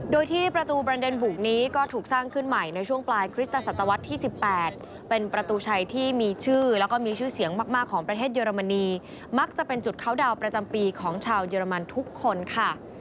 โดยที่ประตูประเด็นบุกนี้ก็ถูกสร้างขึ้นใหม่ในช่วงปลายคริสตศตวรรษที่๑๘เป็นประตูชัยที่มีชื่อแล้วก็มีชื่อเสียงมากของประเทศเยอรมนีมักจะเป็นจุดเขาดาวนประจำปีของชาวเยอรมันทุกคนค่ะ